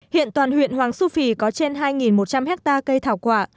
hiện toàn huyện hoàng su phi có trên hai một trăm linh hectare cây thảo quả